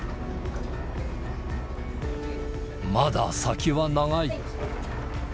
まだ先は長い。